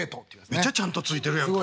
めっちゃちゃんと付いてるやんか。